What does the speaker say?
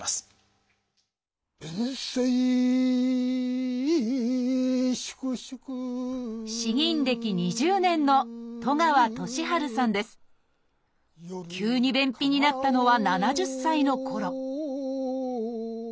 鞭声粛粛詩吟歴２０年の急に便秘になったのは７０歳のころ